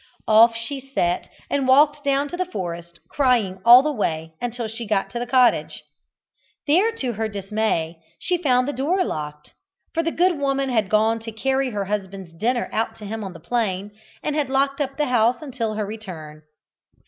Off she set, and walked down to the forest, crying all the way, until she got to the cottage. There, to her dismay, she found the door locked, for the good woman had gone to carry her husband's dinner out to him on the plain, and had locked up the house until her return.